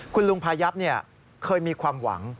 คุณลุงพายับเคยมีความหวัง